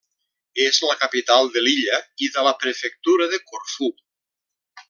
És la capital de l'illa i de la prefectura de Corfú.